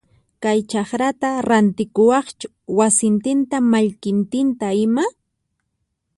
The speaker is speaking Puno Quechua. Kay chakrata rantikuwaqchu wasintinta mallkintinta ima?